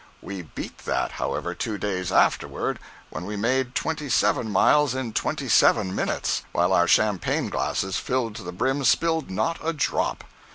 (We beat that, however, two days afterward when we made twenty seven miles in twenty seven minutes, while our Champagne glasses filled to the brim spilled not a drop!)